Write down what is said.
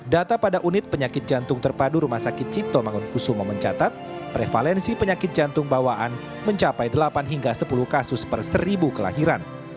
data pada unit penyakit jantung terpadu rumah sakit cipto mangunkusumo mencatat prevalensi penyakit jantung bawaan mencapai delapan hingga sepuluh kasus per seribu kelahiran